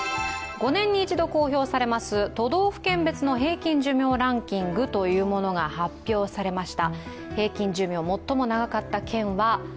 ５年に１度公表されます都道府県別の平均寿命ランキングというのが発表されました。